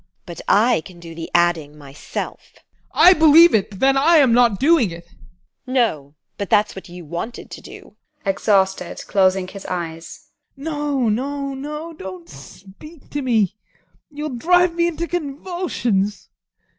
TEKLA. But I can do the adding myself. ADOLPH. I believe it, but then I am not doing it. TEKLA. No, but that's what you wanted to do. ADOLPH. [Exhausted, closing his eyes] No, no, no don't speak to me you'll drive me into convulsions.